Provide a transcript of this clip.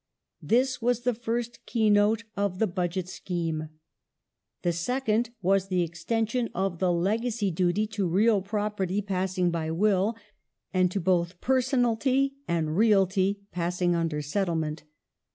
This was the first keynote of the Budget scheme. The second was the extension of the legacy duty to real property passing by Will, and to both personalty and realty passing under Settlement.